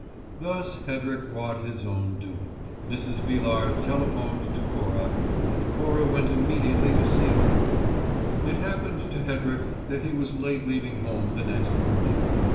Thus Hedrick wrought his own doom: Mrs. Villard telephoned to Cora, and Cora went immediately to see her. It happened to Hedrick that he was late leaving home the next morning.